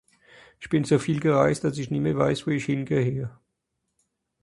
Isch bin so viel gereist, dass i nemme weiss, wo isch hingehöre